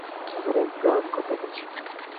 এখানে এক gram cocaine আছে।